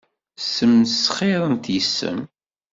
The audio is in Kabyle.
Ssmesxirent yes-m.